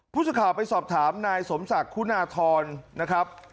ผู้สื่อข่าวไปสอบถามนายสมศักดิ์คุณาธรนะครับ